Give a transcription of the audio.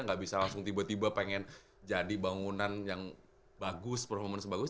gak bisa langsung tiba tiba pengen jadi bangunan yang bagus performance bagus